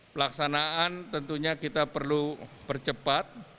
pelaksanaan tentunya kita perlu percepat